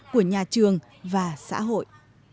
của nhà trường và xã hội